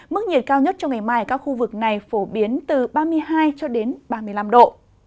mức nhiệt cao nhất trong ngày mai ở các khu vực này phổ biến từ ba mươi hai cho đến ba mươi năm độ